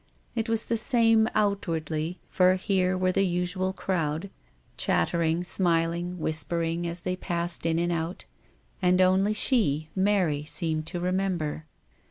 It was the same outwardly, for here was the usual crowd, chattering, smiling, whispering, as they passed in and out. And only she, Mary, seemed to remember.